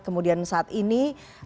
kemudian saat ini